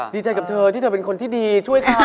ดีใจกับเธอที่เธอเป็นคนที่ดีช่วยเขา